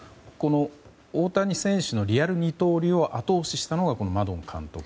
大谷選手のリアル二刀流を後押ししたのがマドン監督。